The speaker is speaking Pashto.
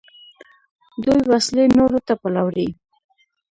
دوی وسلې نورو ته پلوري.